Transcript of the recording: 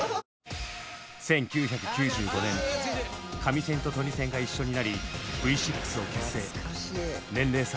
１９９５年カミセンとトニセンが一緒になり「Ｖ６」を結成。